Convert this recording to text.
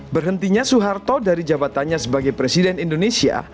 berhentinya soeharto dari jabatannya sebagai presiden indonesia